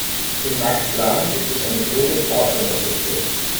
In Maxglan gibt es eine große Pfadfindergruppe.